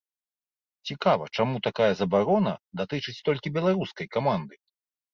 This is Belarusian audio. Цікава, чаму такая забарона датычыць толькі беларускай каманды?